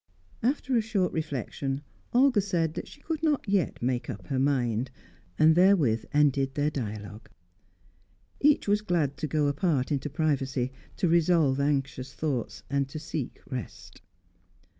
After a short reflection, Olga said that she could not yet make up her mind. And therewith ended their dialogue. Each was glad to go apart into privacy, to revolve anxious thoughts, and to seek rest.